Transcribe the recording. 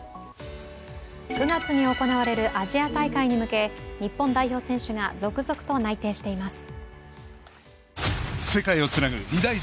９月に行われるアジア大会に向け日本代表選手が続々と内定しています。